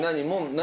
何？